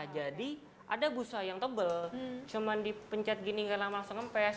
jadi ada busa yang tebal cuman dipencet gini nggak langsung ngepes